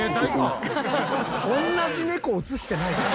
同じ猫映してないかな？